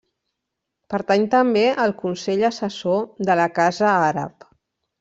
Pertany també al Consell Assessor de la Casa Àrab.